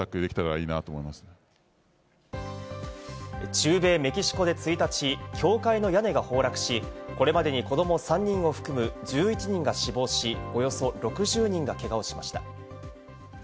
中米メキシコで１日、教会の屋根が崩落し、これまでに子ども３人を含む１１人が死亡し、およそ６０人がけがをしました。